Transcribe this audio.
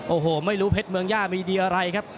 โอ้โหไม่รู้เพชรเมืองย่ามีดีอะไรครับ